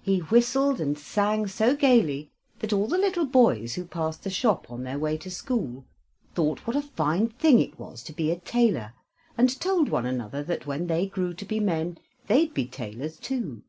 He whistled and sang so gaily that all the little boys who passed the shop on their way to school thought what a fine thing it was to be a tailor, and told one another that when they grew to be men they'd be tailors, too.